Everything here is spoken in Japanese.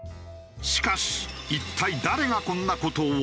しかし一体誰がこんな事を？